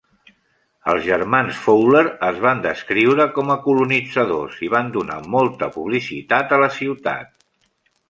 Els germans Fowler es van descriure com a "colonitzadors" i van donar molta publicitat a la ciutat.